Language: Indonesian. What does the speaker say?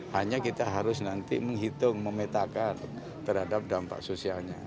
hanya kita harus nanti menghitung memetakan terhadap dampak sosialnya